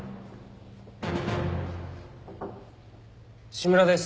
志村です。